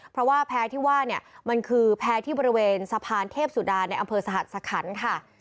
เพราะว่าแพ้ที่ว่าเนี่ยมันคือแพ้ที่บริเวณสะพานเทพสุดาในอำเภอสหัสสะขันค่ะ